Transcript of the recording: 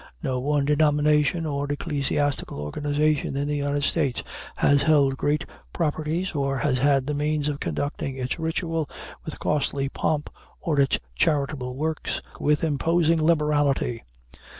No one denomination or ecclesiastical organization in the United States has held great properties, or has had the means of conducting its ritual with costly pomp or its charitable works with imposing liberality.